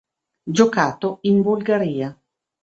Giocato in Bulgaria.